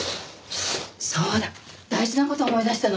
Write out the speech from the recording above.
そうだ大事な事思い出したの。